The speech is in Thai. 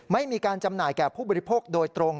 ไม่มีการจำหน่ายแก่ผู้บริโภคโดยตรง